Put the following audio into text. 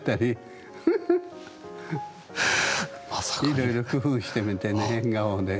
いろいろ工夫してみてね変顔で。